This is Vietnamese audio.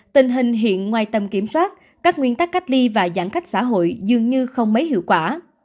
tình hình hiện ngoài tầm kiểm soát các nguyên tắc cách ly và giãn cách xã hội dường như không mấy hiệu quả